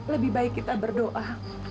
lebih baik kita berdoa